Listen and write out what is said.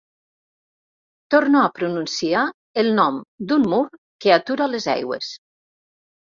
Torno a pronunciar el nom d'un mur que atura les aigües.